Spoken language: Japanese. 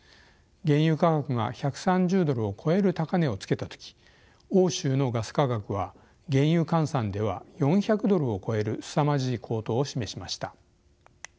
原油価格が１３０ドルを超える高値をつけた時欧州のガス価格は原油換算では４００ドルを超えるすさまじい高騰を示しました。